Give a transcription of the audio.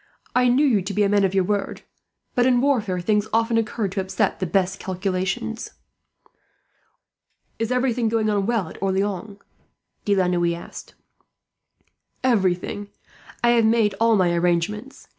"I knew you to be a man of your word, but in warfare things often occur to upset the best calculations." "Is everything going on well at Orleans?" De la Noue asked. "Everything. I have made all my arrangements.